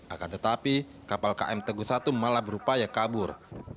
akan tetapi kapal km teguh satu malah berupaya kabur